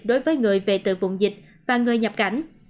đối với người về từ vùng dịch và người nhập cảnh